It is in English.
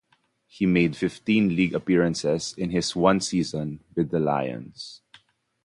He made fifteen League appearances in his one season with "the Lions".